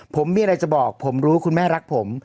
ผมมีอะไรจะบอกผมรู้คุณแม่รักผม